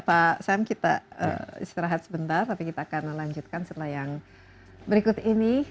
pak sam kita istirahat sebentar tapi kita akan lanjutkan setelah yang berikut ini